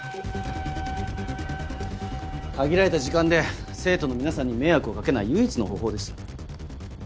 限られた時間で生徒の皆さんに迷惑を掛けない唯一の方法です。